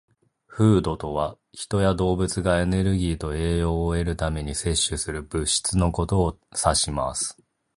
"Food" とは、人や動物がエネルギーと栄養を得るために摂取する物質のことを指します。